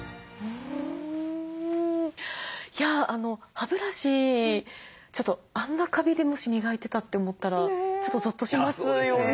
歯ブラシちょっとあんなカビでもし磨いてたって思ったらちょっとぞっとしますよね。